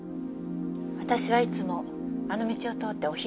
私はいつもあの道を通ってお昼を買いに。